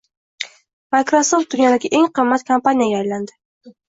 Microsoft dunyodagi eng qimmat kompaniyaga aylandi